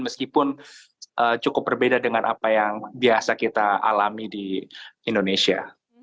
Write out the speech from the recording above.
meskipun cukup berbeda dengan apa yang biasa kita alami di indonesia